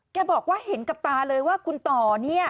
บอกว่าเห็นกับตาเลยว่าคุณต่อเนี่ย